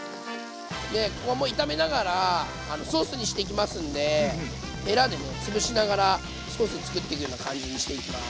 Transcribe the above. でここはもう炒めながらソースにしていきますんでへらでねつぶしながらソースつくっていくような感じにしていきます。